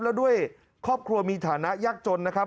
แล้วด้วยครอบครัวมีฐานะยากจนนะครับ